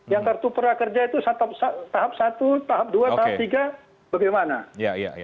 yang kartu prakerja itu tahap satu tahap dua tahap tiga bagaimana